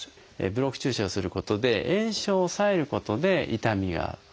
ブロック注射をすることで炎症を抑えることで痛みを取ると。